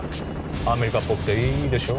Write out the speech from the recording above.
アメリカっぽくていいでしょ？